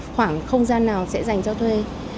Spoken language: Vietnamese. khoảng không gian nào sẽ dành cho thuê